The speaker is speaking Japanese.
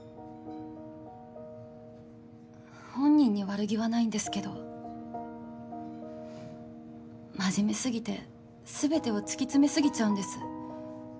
本人に悪気はないんですけど真面目すぎてすべてを突き詰め過ぎちゃうんです。